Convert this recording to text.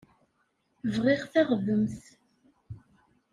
Bɣiɣ taɣdemt.